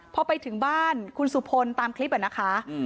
พอไปถึงบ้านคุณสุภนต์ตามคลิปแบบนั้นค่ะ